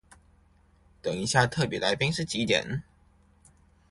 等一下特別來賓是幾點？